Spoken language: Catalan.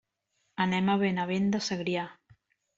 Anem a Benavent de Segrià.